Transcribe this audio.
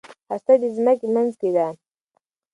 هسته د ځمکې منځ کې ده.